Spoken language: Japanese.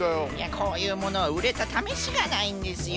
こういうものはうれたためしがないんですよ。